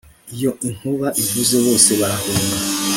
Iyo inkuba ivuze bose barahunga